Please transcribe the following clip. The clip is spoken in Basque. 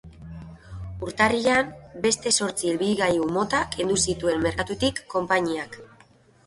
Urtarrilean, beste zortzi ibilgailu mota kendu zituen merkatutik konpainiak.